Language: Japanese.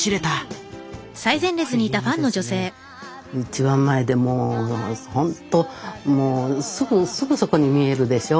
一番前でもうほんとすぐそこに見えるでしょ。